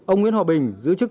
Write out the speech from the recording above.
ông nguyễn hòa bình giữ chức